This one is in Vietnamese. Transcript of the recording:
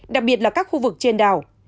đặc biệt là các khu vực trên đảo